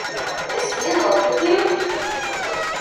Is he in love with you?